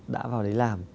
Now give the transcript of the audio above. đã vào đấy làm